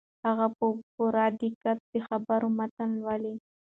هغه په پوره دقت د خبر متن لولي.